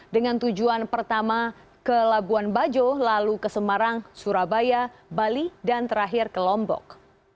dengan tujuan pertama ke labuan bajo lalu ke semarang surabaya bali dan terakhir ke lombok